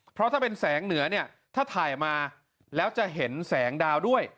เพราะถ้าเป็นแสงเหนือเนี่ยถ้าถ่ายมาแล้วจะเห็นแสงดาวด้วย